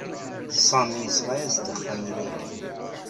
Sami yesɣa-as-d axxam i Layla.